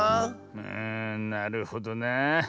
うんなるほどなあ。